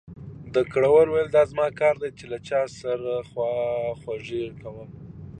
ډګروال وویل دا زما کار دی چې له چا سره خواخوږي کوم